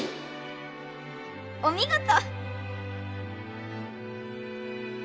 お見事。